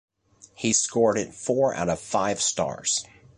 He scored it four out of five stars.